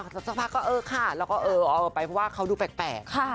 สักพักก็เออค่ะแล้วก็เออเอาไปเพราะว่าเขาดูแปลก